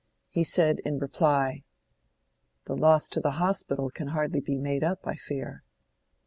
He said in reply— "The loss to the Hospital can hardly be made up, I fear."